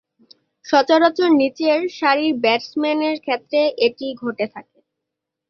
সচরাচর নিচের সারির ব্যাটসম্যানের ক্ষেত্রে এটি ঘটে থাকে।